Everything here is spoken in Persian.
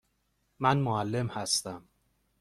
من معلم هستم.